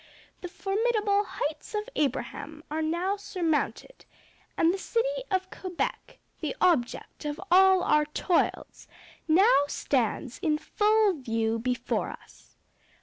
The formidable Heights of Abraham are now surmounted; and the city of Quebec, the object of all our toils, now stands in full view before us.